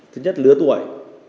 thứ nhất lứa tuổi